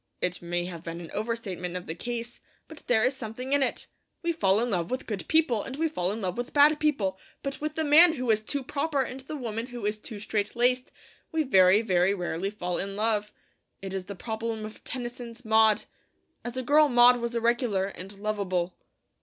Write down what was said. It may have been an over statement of the case; but there is something in it. We fall in love with good people, and we fall in love with bad people; but with the man who is 'too proper,' and the woman who is 'too straight laced,' we very, very rarely fall in love. It is the problem of Tennyson's 'Maud.' As a girl Maud was irregular and lovable.